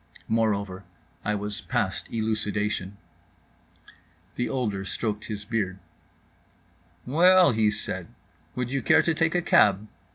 Moreover, I was past elucidation. The older stroked his beard. "Well," he said, "would you care to take a cab?"